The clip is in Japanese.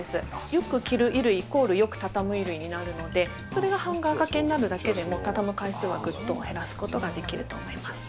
よく着る衣類、イコールよく畳む衣類になるので、それがハンガーかけになるだけでも、畳む回数はぐっと減らすことができると思います。